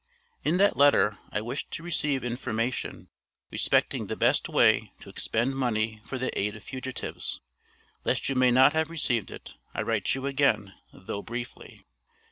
In that letter I wished to receive information respecting the best way to expend money for the aid of fugitives. Lest you may not have received it, I write you again, though briefly.